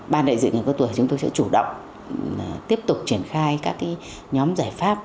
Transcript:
ban đại dự người cao tuổi chúng tôi sẽ chủ động tiếp tục triển khai các nhóm giải pháp